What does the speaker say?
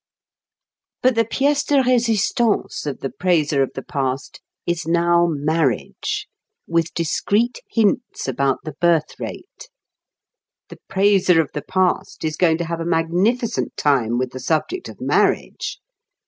But the pièce de résistance of the praiser of the past is now marriage, with discreet hints about the birth rate. The praiser of the past is going to have a magnificent time with the subject of marriage.